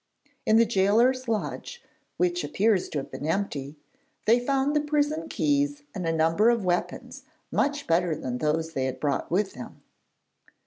In the gaoler's lodge, which appears to have been empty, they found the prison keys and a number of weapons much better than those they had brought with them.